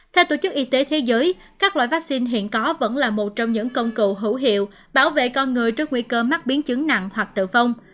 theo tổ chức y tế thế giới các loại vaccine hiện có vẫn là một trong những công cụ hữu hiệu bảo vệ con người trước nguy cơ mắc biến chứng nặng hoặc tử vong